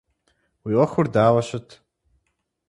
Уи ӏуэхур дауэ щыт?